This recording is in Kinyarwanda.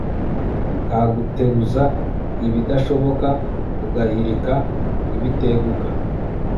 kaguteruza ibidashoboka, ugahirika ibiteguka